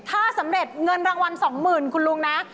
ถ้าสำเร็จเงินรางวัลสองหมื่นคุณลุงนะ